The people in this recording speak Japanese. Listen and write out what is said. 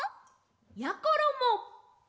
やころも！